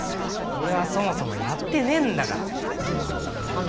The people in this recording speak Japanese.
俺はそもそもやってねえんだから。